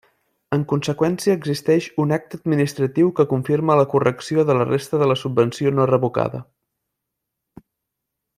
En conseqüència existeix un acte administratiu que confirma la correcció de la resta de la subvenció no revocada.